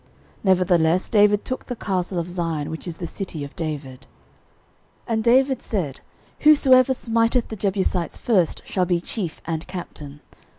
Nevertheless David took the castle of Zion, which is the city of David. 13:011:006 And David said, Whosoever smiteth the Jebusites first shall be chief and captain.